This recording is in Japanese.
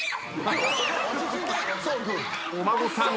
お孫さん。